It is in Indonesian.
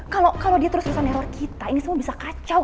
kalau dia terus ngeror kita ini semua bisa kacau